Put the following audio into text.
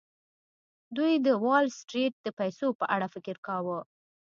دوی د وال سټریټ د پیسو په اړه فکر کاوه